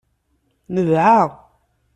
Nedɛa.